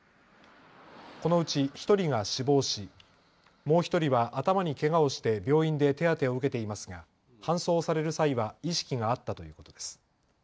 このうち１人が死亡し、もう１人は頭にけがをして病院で手当てを受けていますが搬送される際は意識があったということです。